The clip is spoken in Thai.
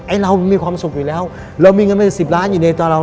เรามีความสุขอยู่แล้วเรามีเงินเป็นสิบล้านอยู่ในตัวเรา